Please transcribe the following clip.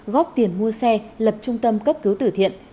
góp tiền mua xe lập trung tâm cấp cứu tử thiện